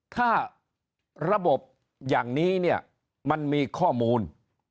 ถ้าระบบอย่างนี้เนี่ยมันมีข้อมูล